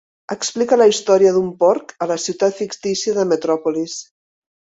Explica la història d'un porc a la ciutat fictícia de Metròpolis.